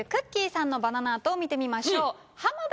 さんのバナナアートを見てみましょう。